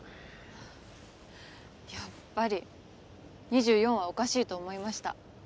やっぱり２４はおかしいと思いました